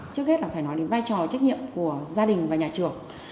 trước hết là phải nói đến vai trò trách nhiệm của gia đình và nhà trường